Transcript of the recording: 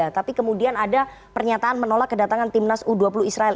tapi kemudian ada pernyataan menolak kedatangan timnas u dua puluh israel